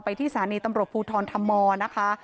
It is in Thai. ไปที่ศาลีตำรวจภูท๓๙๑๐ถแล้วนะคะ